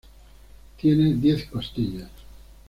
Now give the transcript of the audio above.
Tiene diez costillas.